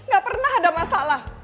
gak pernah ada masalah